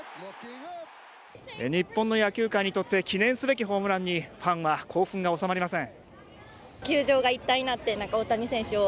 日本の野球界にとって記念すべきホームランにファンは興奮が収まりません。